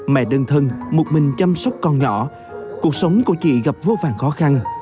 mẹ đơn thân một mình chăm sóc con nhỏ cuộc sống của chị gặp vô vàn khó khăn